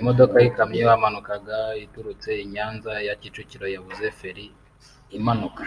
Imodoka y’ikamyo yamanukaga iturutse i Nyanza ya Kicukiro yabuze feri imanuka